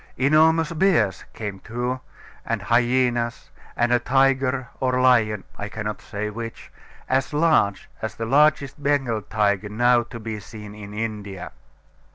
Enormous bears came too, and hyaenas, and a tiger or lion (I cannot say which), as large as the largest Bengal tiger now to be seen in India.